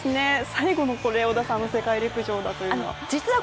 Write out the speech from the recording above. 最後の織田さんの世界陸上というのは。